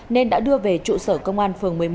nên đã đưa về trụ sở công an phường một mươi một